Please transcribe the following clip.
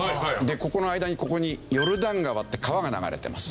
ここの間にここにヨルダン川って川が流れてます。